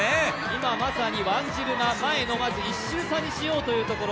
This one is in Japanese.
今、まさにワンジルが、前の１周差にしようというところ。